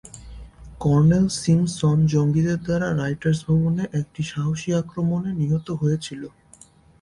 Colonel Simpson জঙ্গিদের দ্বারা Writers ভবনে একটি সাহসী আক্রমণে নিহত হয়েছিল।